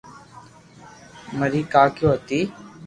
مري ڪاڪيو ھتي